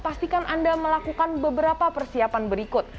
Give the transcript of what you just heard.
pastikan anda melakukan beberapa persiapan berikut